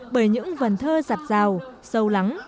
bởi những vần thơ rạp rào sâu lắng